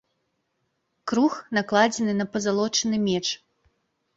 Круг накладзены на пазалочаны меч.